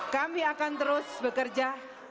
kami akan terus bekerja